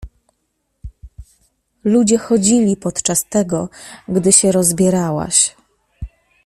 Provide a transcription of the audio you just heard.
Ludzie chodzili podczas tego, gdy się rozbierałaś.